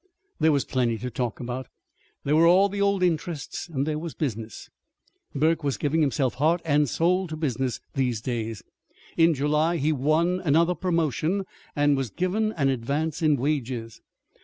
There was plenty to talk about. There were all the old interests, and there was business. Burke was giving himself heart and soul to business these days. In July he won another promotion, and was given an advance in wages.